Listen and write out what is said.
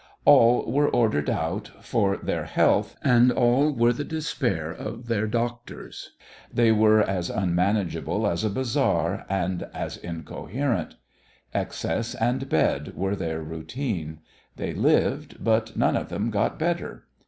All were ordered out for their health, and all were the despair of their doctors. They were as unmanageable as a bazaar and as incoherent. Excess and bed were their routine. They lived, but none of them got better.